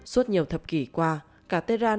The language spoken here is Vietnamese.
suốt nhiều thập kỷ qua